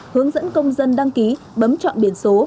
hướng dẫn công dân đăng ký bấm chọn biển số